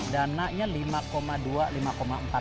dananya lima dua lima empat t satu kota